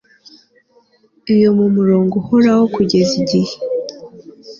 iyo mumurongo uhoraho kugeza igihe